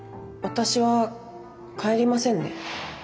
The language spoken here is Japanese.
私は帰りませんね。